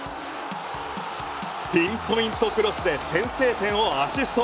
ピンポイントクロスで先制点をアシスト。